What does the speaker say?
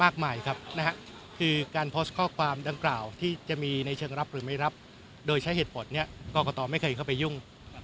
มากมายครับนะฮะคือการโพสต์ข้อความดังกล่าวที่จะมีในเชิงรับหรือไม่รับโดยใช้เหตุผลนี้กรกตไม่เคยเข้าไปยุ่ง